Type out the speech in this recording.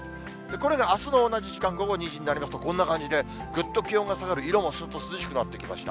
これがあすの同じ時間、午後２時になりますと、こんな感じでぐっと気温が下がる、色もすっと涼しくなってきました。